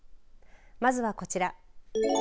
まずはこちら。